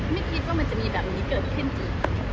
เมื่อกี้ก็มันจะมีแบบนี้เกิดขึ้นสิ